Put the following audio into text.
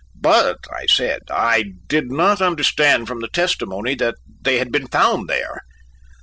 "But," I said, "I did not understand from the testimony that they had been found there."